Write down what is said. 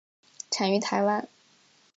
产于台湾。